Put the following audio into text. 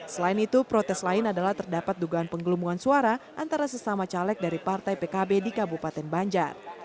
selain itu protes lain adalah terdapat dugaan penggelembungan suara antara sesama caleg dari partai pkb di kabupaten banjar